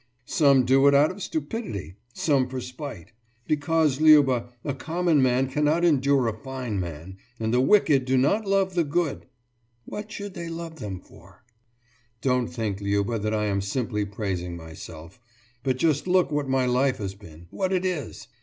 »Some do it out of stupidity, some for spite. Because, Liuba, a common man cannot endure a fine man, and the wicked do not love the good....« »What should they love them for?« »Don't think, Liuba, that I am simply praising myself. But just look what my life has been, what it is!